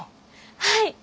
はい！